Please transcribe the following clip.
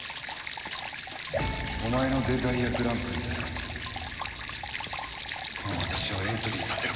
お前のデザイアグランプリとやらにこの私をエントリーさせろ。